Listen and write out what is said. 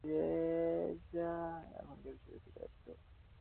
আমি কিনা ভেবেছিলাম আমরাই এখানকার বিশেষ অতিথি, কায়োটি।